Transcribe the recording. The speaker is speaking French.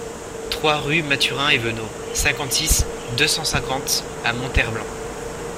trois rue Mathurin Eveno, cinquante-six, deux cent cinquante à Monterblanc